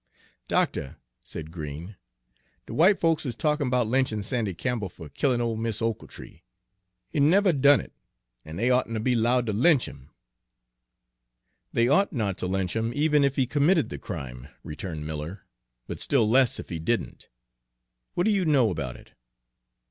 "Doctuh," said Green, "de w'ite folks is talkin' 'bout lynchin' Sandy Campbell fer killin' ole Mis' Ochiltree. He never done it, an' dey oughtn' ter be 'lowed ter lynch 'im." "They ought not to lynch him, even if he committed the crime," returned Miller, "but still less if he didn't. What do you know about it?"